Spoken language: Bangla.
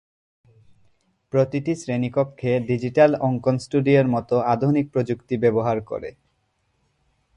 প্রতিটি শ্রেণীকক্ষে ডিজিটাল অঙ্কন স্টুডিওর মতো আধুনিক প্রযুক্তির ব্যবহার করে।